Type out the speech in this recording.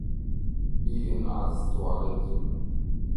بي إن عززت علي ذل